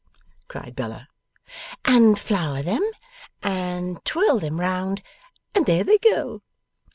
cried Bella; 'and flour them, and twirl them round, and there they go!